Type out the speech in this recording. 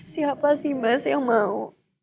siapa sih mbak yang mau